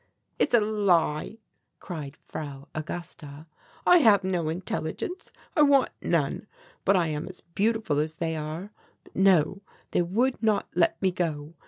"It's a lie," cried Frau Augusta. "I have no intelligence. I want none. But I am as beautiful as they. But no, they would not let me go.